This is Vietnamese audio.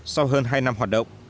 sau hơn hai năm hoạt động